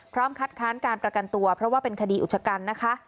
คัดค้านการประกันตัวเพราะว่าเป็นคดีอุชกันนะคะ